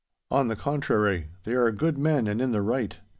'On the contrary, they are good men and in the right.